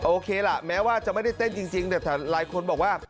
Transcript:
โอเคล่ะแม้ว่าจะไม่ได้เต้นจริงแต่หลายคนบอกว่า